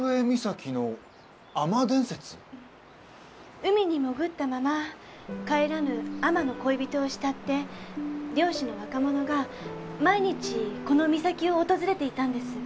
海に潜ったまま帰らぬ海女の恋人を慕って漁師の若者が毎日この岬を訪れていたんです。